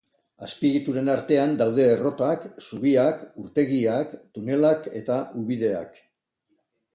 Azpiegituren artean daude errotak, zubiak, urtegiak, tunelak eta ubideak.